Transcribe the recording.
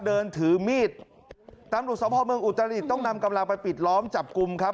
เดินถือมีดตำรวจสมภาพเมืองอุตรดิษฐ์ต้องนำกำลังไปปิดล้อมจับกลุ่มครับ